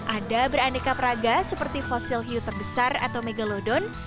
ada beraneka peraga seperti fosil hiu terbesar atau megalodon